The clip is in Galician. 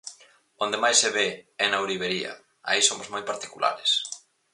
Onde máis se ve é na ourivería, aí somos moi particulares.